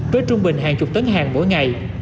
với trung bình hàng chục tấn hàng mỗi ngày